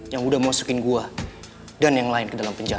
yang udah masukin gua dan yang lain ke dalam penjara